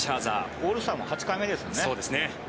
オールスターも８回目ですね。